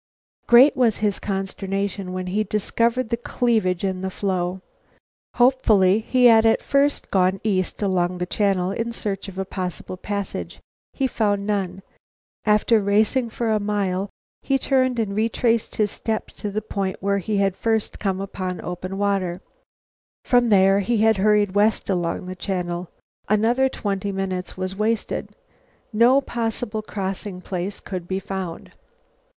Great was his consternation when he discovered the cleavage in the floe. Hopefully he had at first gone east along the channel in search of a possible passage. He found none. After racing for a mile, he turned and retraced his steps to the point where he had first come upon open water. From there he hurried west along the channel. Another twenty minutes was wasted. No possible crossing place could be found.